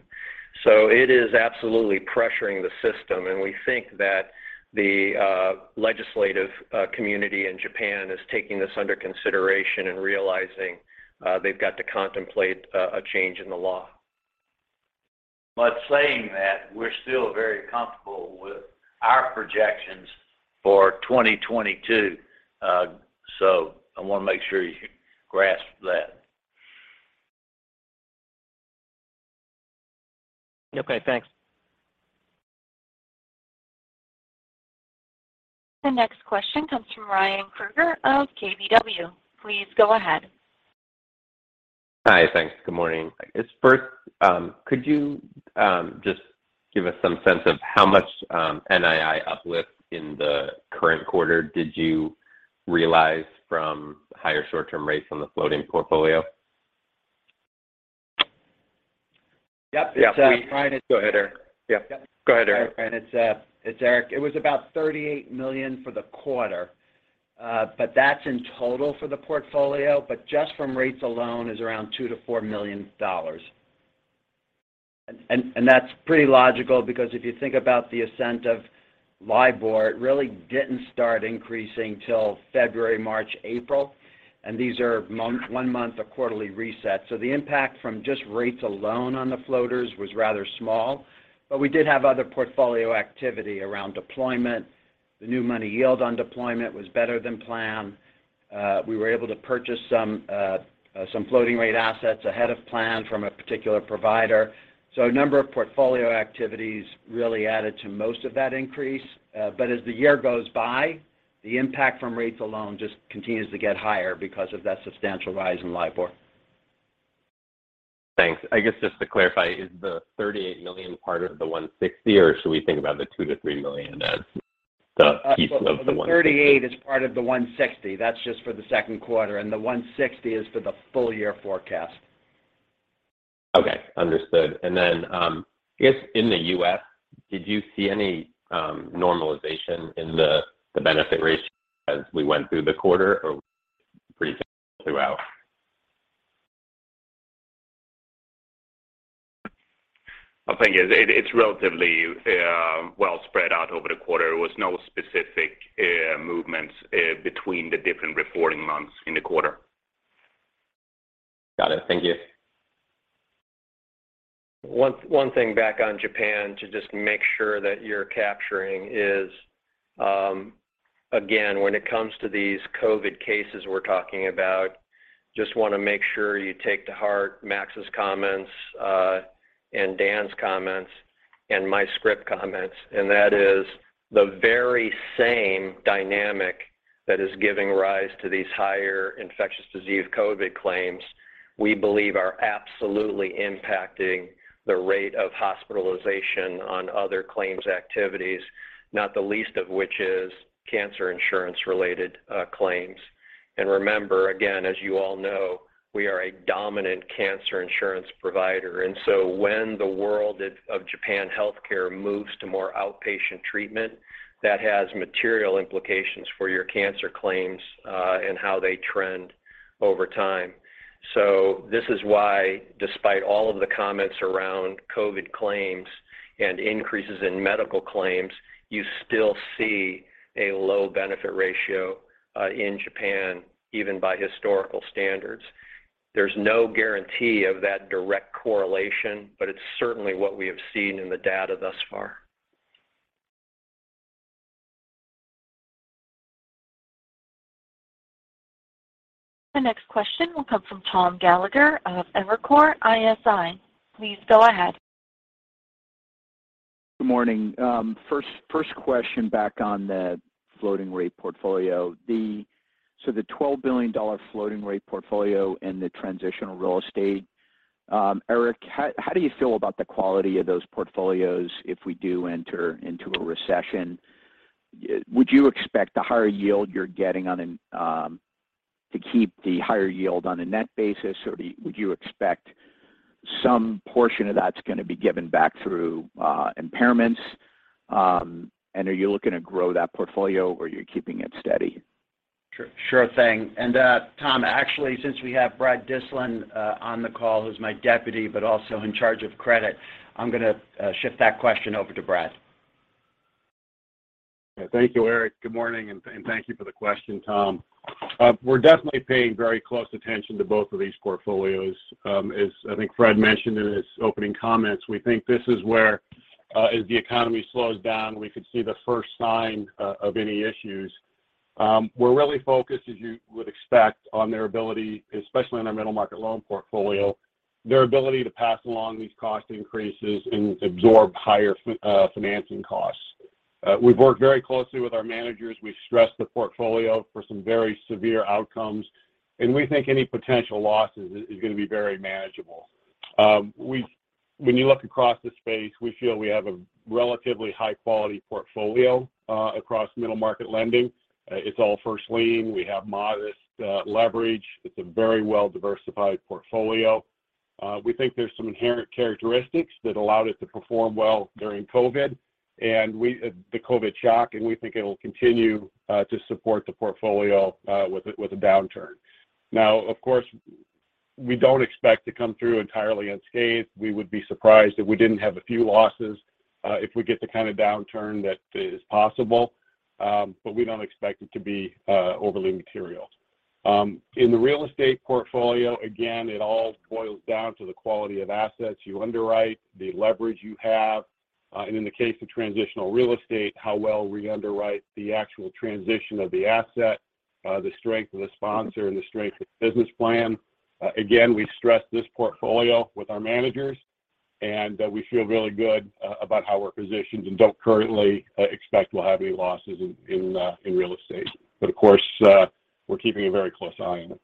It is absolutely pressuring the system, and we think that the legislative community in Japan is taking this under consideration and realizing they've got to contemplate a change in the law.
Saying that, we're still very comfortable with our projections for 2022. I want to make sure you grasp that.
Okay, thanks.
The next question comes from Ryan Krueger of KBW. Please go ahead.
Hi. Thanks. Good morning. I guess, first, could you just give us some sense of how much NII uplift in the current quarter did you realize from higher short-term rates on the floating portfolio?
Yep. It's
Yeah,
Ryan, it's
Go ahead, Eric. Yep.
Yep.
Go ahead, Eric.
All right, Ryan, it's Eric. It was about $38 million for the quarter, but that's in total for the portfolio, but just from rates alone is around $2 million-$4 million. And that's pretty logical because if you think about the ascent of LIBOR, it really didn't start increasing till February, March, April, and these are one-month or quarterly resets. The impact from just rates alone on the floaters was rather small. We did have other portfolio activity around deployment. The new money yield on deployment was better than planned. We were able to purchase some floating rate assets ahead of plan from a particular provider. A number of portfolio activities really added to most of that increase. As the year goes by, the impact from rates alone just continues to get higher because of that substantial rise in LIBOR.
Thanks. I guess just to clarify, is the $38 million part of the $160 million, or should we think about the $2 million-$3 million as the piece of the $160 million?
The $38 is part of the $160. That's just for the second quarter, and the $160 is for the full year forecast.
Okay. Understood. I guess in the U.S., did you see any normalization in the benefit ratio as we went through the quarter, or pretty much throughout?
I think it's relatively well spread out over the quarter. There was no specific movements between the different reporting months in the quarter.
Got it. Thank you.
One thing back on Japan to just make sure that you're capturing is, again, when it comes to these COVID cases we're talking about, just wanna make sure you take to heart Max's comments, and Dan's comments and my script comments, and that is the very same dynamic that is giving rise to these higher infectious disease COVID claims, we believe are absolutely impacting the rate of hospitalization on other claims activities, not the least of which is cancer insurance-related claims. Remember, again, as you all know, we are a dominant cancer insurance provider. When the world of Japan healthcare moves to more outpatient treatment, that has material implications for your cancer claims, and how they trend over time. This is why despite all of the comments around COVID claims and increases in medical claims, you still see a low benefit ratio, in Japan, even by historical standards. There's no guarantee of that direct correlation, but it's certainly what we have seen in the data thus far.
The next question will come from Tom Gallagher of Evercore ISI. Please go ahead.
Good morning. First question back on the floating rate portfolio. The $12 billion floating rate portfolio and the transitional real estate, Eric, how do you feel about the quality of those portfolios if we do enter into a recession? Would you expect the higher yield you're getting on an to keep the higher yield on a net basis, or would you expect some portion of that's gonna be given back through impairments? And are you looking to grow that portfolio, or are you keeping it steady?
Sure thing. Tom, actually, since we have Brad Dyslin on the call, who's my deputy but also in charge of credit, I'm gonna shift that question over to Brad.
Thank you, Eric. Good morning, and thank you for the question, Tom. We're definitely paying very close attention to both of these portfolios. As I think Fred mentioned in his opening comments, we think this is where, as the economy slows down, we could see the first sign of any issues. We're really focused, as you would expect, on their ability, especially in our middle market loan portfolio, their ability to pass along these cost increases and absorb higher financing costs. We've worked very closely with our managers. We've stressed the portfolio for some very severe outcomes, and we think any potential losses is gonna be very manageable. When you look across the space, we feel we have a relatively high-quality portfolio across middle market lending. It's all first lien. We have modest leverage. It's a very well-diversified portfolio. We think there's some inherent characteristics that allowed it to perform well during COVID and the COVID shock, and we think it'll continue to support the portfolio with a downturn. Now, of course, we don't expect to come through entirely unscathed. We would be surprised if we didn't have a few losses if we get the kind of downturn that is possible, but we don't expect it to be overly material. In the real estate portfolio, again, it all boils down to the quality of assets you underwrite, the leverage you have, and in the case of transitional real estate, how well we underwrite the actual transition of the asset, the strength of the sponsor and the strength of the business plan. Again, we stress this portfolio with our managers, and we feel really good about how we're positioned and don't currently expect we'll have any losses in real estate. Of course, we're keeping a very close eye on it.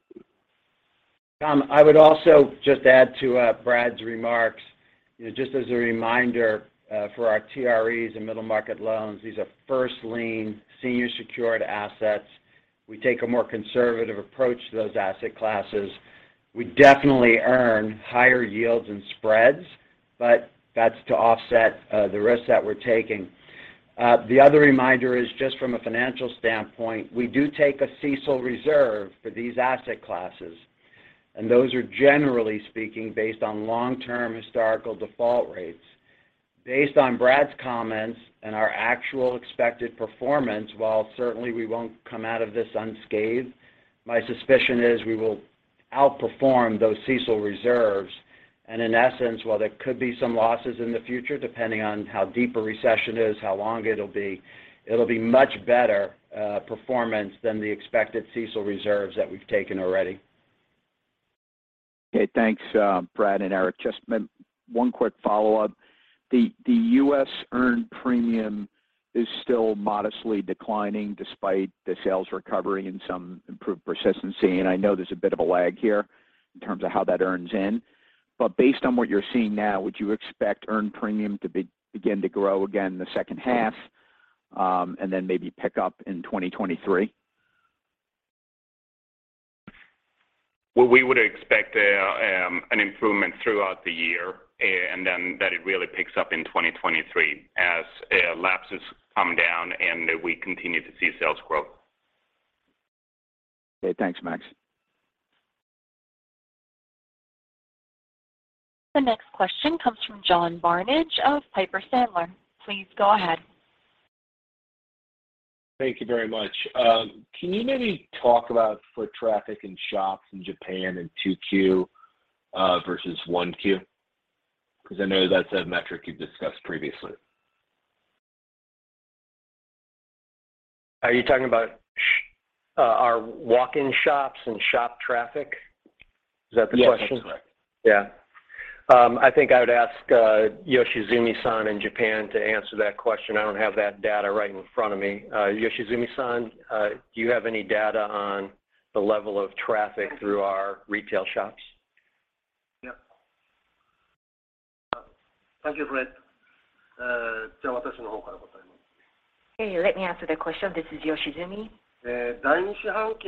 Tom, I would also just add to Brad's remarks. You know, just as a reminder, for our TREs and middle market loans, these are first lien, senior secured assets. We take a more conservative approach to those asset classes. We definitely earn higher yields and spreads, but that's to offset the risks that we're taking. The other reminder is just from a financial standpoint, we do take a CECL reserve for these asset classes, and those are generally speaking based on long-term historical default rates. Based on Brad's comments and our actual expected performance, while certainly we won't come out of this unscathed, my suspicion is we will outperform those CECL reserves. In essence, while there could be some losses in the future, depending on how deep a recession is, how long it'll be, it'll be much better performance than the expected CECL reserves that we've taken already.
Okay, thanks, Brad and Eric. Just one quick follow-up. The U.S. earned premium is still modestly declining despite the sales recovery and some improved persistency. I know there's a bit of a lag here in terms of how that earns in. Based on what you're seeing now, would you expect earned premium to begin to grow again the second half, and then maybe pick up in 2023?
Well, we would expect an improvement throughout the year, and then that it really picks up in 2023 as lapses come down and we continue to see sales growth.
Okay, thanks, Max.
The next question comes from John Barnidge of Piper Sandler. Please go ahead.
Thank you very much. Can you maybe talk about foot traffic in shops in Japan in 2Q versus 1Q? 'Cause I know that's a metric you've discussed previously.
Are you talking about our walk-in shops and shop traffic? Is that the question?
Yes, that's correct.
Yeah. I think I would ask Yoshizumi-san in Japan to answer that question. I don't have that data right in front of me. Yoshizumi-san, do you have any data on the level of traffic through our retail shops?
Yeah.
Thank you, Fred. Hey, let me answer the question. This is Yoshizumi. Well,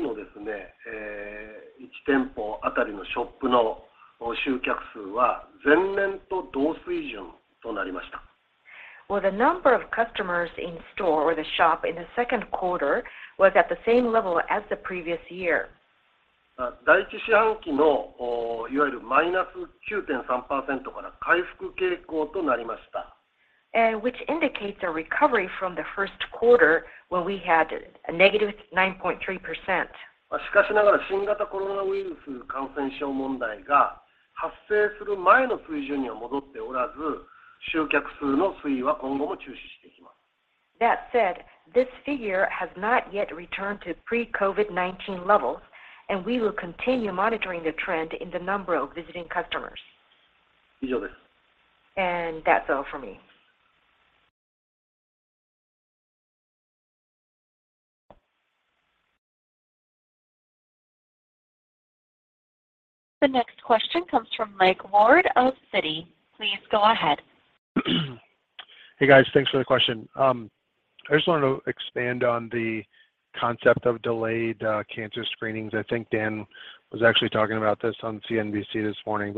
the number of customers in store or the shop in the second quarter was at the same level as the previous year. Which indicates a recovery from the first quarter where we had a -9.3%. That said, this figure has not yet returned to pre-COVID-19 levels, and we will continue monitoring the trend in the number of visiting customers. That's all for me.
The next question comes from Michael Ward of Citi. Please go ahead.
Hey, guys. Thanks for the question. I just wanted to expand on the concept of delayed cancer screenings. I think Dan was actually talking about this on CNBC this morning.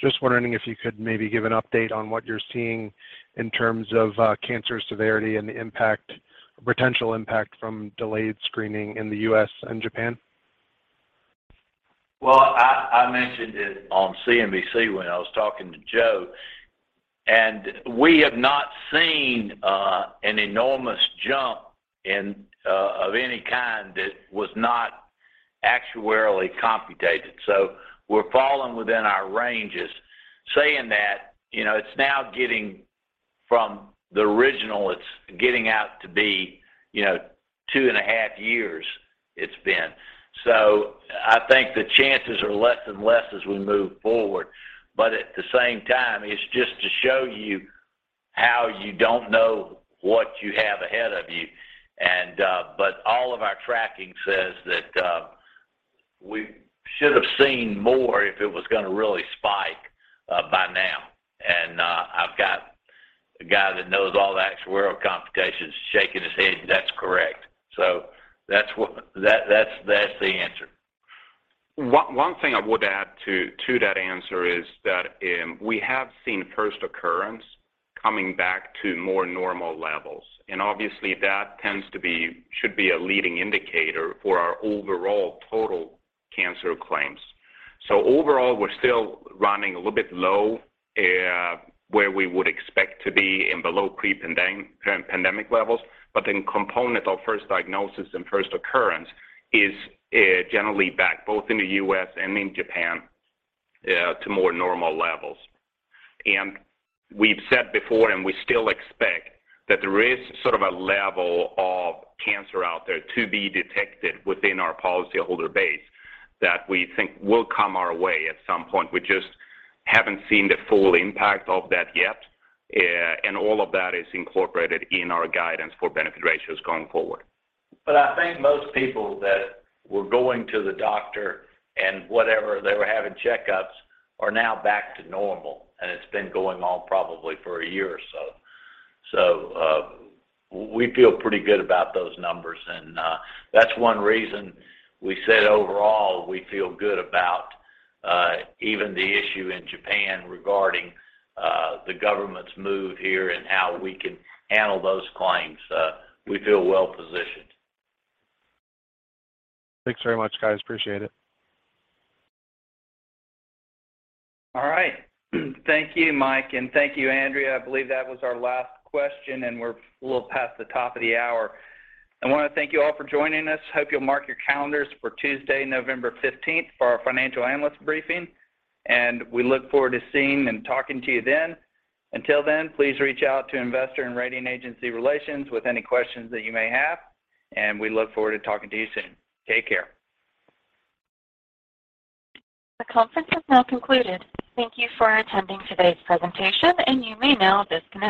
Just wondering if you could maybe give an update on what you're seeing in terms of cancer severity and the impact, potential impact from delayed screening in the U.S. and Japan.
Well, I mentioned it on CNBC when I was talking to Joe, and we have not seen an enormous jump in of any kind that was not actuarially computed. We're falling within our ranges. Saying that, you know, it's now getting out to be, you know, two and a half years it's been. I think the chances are less and less as we move forward. But at the same time, it's just to show you how you don't know what you have ahead of you. But all of our tracking says that we should have seen more if it was gonna really spike by now. I've got a guy that knows all the actuarial complications shaking his head that's correct. So that's what that's the answer.
One thing I would add to that answer is that we have seen first occurrence coming back to more normal levels. Obviously, that should be a leading indicator for our overall total cancer claims. Overall, we're still running a little bit low where we would expect to be below pre-pandemic levels. The component of first diagnosis and first occurrence is generally back both in the U.S. and in Japan to more normal levels. We've said before, and we still expect that there is sort of a level of cancer out there to be detected within our policy holder base that we think will come our way at some point. We just haven't seen the full impact of that yet. All of that is incorporated in our guidance for benefit ratios going forward.
I think most people that were going to the doctor and whatever, they were having checkups, are now back to normal, and it's been going on probably for a year or so. So, we feel pretty good about those numbers, and, that's one reason we said overall, we feel good about, even the issue in Japan regarding, the government's move here and how we can handle those claims. We feel well-positioned.
Thanks very much, guys. Appreciate it.
All right. Thank you, Mike, and thank you, Andrea. I believe that was our last question, and we're a little past the top of the hour. I wanna thank you all for joining us. Hope you'll mark your calendars for Tuesday, November 15th for our financial analyst briefing, and we look forward to seeing and talking to you then. Until then, please reach out to investor and rating agency relations with any questions that you may have, and we look forward to talking to you soon. Take care.
The conference has now concluded. Thank you for attending today's presentation, and you may now disconnect.